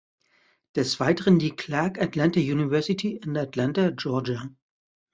Des Weiteren die Clark Atlanta University in Atlanta, Georgia.